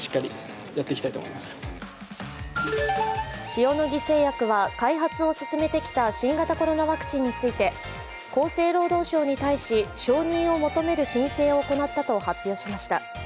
塩野義製薬は開発を進めてきた新型コロナワクチンについて厚生労働省に対し承認を求める申請を行ったと発表しました。